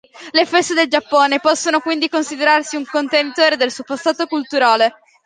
Le feste del Giappone possono quindi considerarsi un contenitore del suo passato culturale.